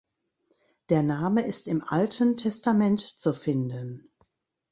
Der Name ist im Alten Testament zu finden.